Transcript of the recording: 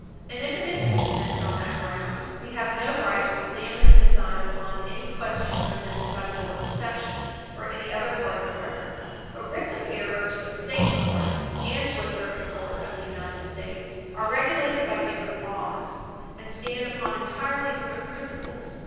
And if it is dismissed on that ground, we have no right to examine and decide upon any question presented by the bill of exceptions, or any other part of the record. But writs of error to a State court and to a Circuit Court of the United States are regulated by different laws, and stand upon entirely different principles.